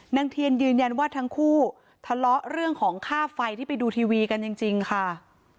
เทียนยืนยันว่าทั้งคู่ทะเลาะเรื่องของค่าไฟที่ไปดูทีวีกันจริงค่ะ